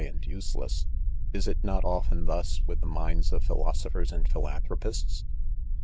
sad ''Useless. Is it not ■often, .tlras with the izni&ds of ^philosophers • and philanthropists